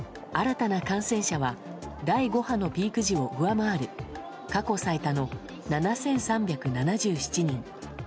新たな感染者は第５波のピーク時を上回る過去最多の７３７７人。